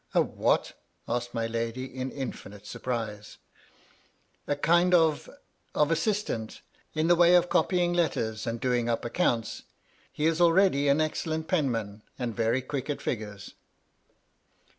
" A what ?" asked my lady, in infinite surprise. " A kind of — of assistant, in the way of copying K 3 202 MY LADY LUDLOW. letters and doing up accounts. He is already an excellent penman and very quick at figures."